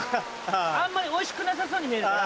あんまりおいしくなさそうに見えるから。